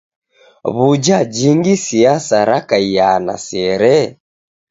W'uja jingi siasa rakaiaa na sere?